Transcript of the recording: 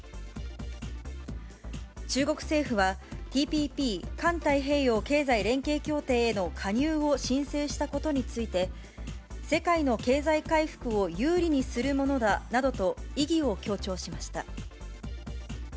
中国政府は、ＴＰＰ・環太平洋経済連携協定への加入を申請したことについて、世界の経済回復を有利にするものだなどと意義を強調しました。